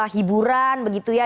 hiburan begitu ya